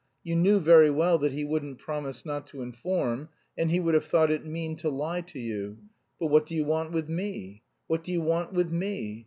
You knew very well that he wouldn't promise not to inform and he would have thought it mean to lie to you. But what do you want with me? What do you want with me?